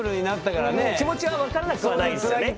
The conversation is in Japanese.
気持ちは分からなくはないですよね。